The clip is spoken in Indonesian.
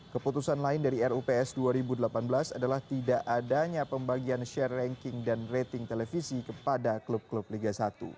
keputusan lain dari rups dua ribu delapan belas adalah tidak adanya pembagian share ranking dan rating televisi kepada klub klub liga satu